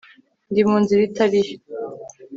Ndi mu nzira itari yo